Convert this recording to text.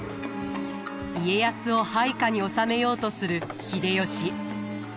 家康を配下に収めようとする秀吉。